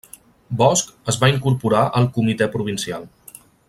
Bosch es va incorporar al Comitè Provincial.